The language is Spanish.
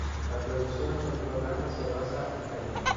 La producción del programa se basa en Delhi.